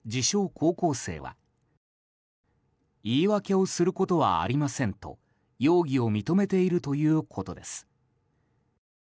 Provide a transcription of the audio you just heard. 高校生は言い訳をすることはありませんと容疑を認めているということです。